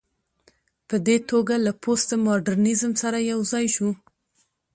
په دې توګه له پوسټ ماډرنيزم سره يوځاى شو